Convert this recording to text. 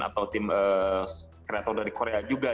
atau tim kreator dari korea juga